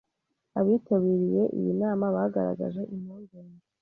Abitabiriye iyi nama bagaragaje impungenge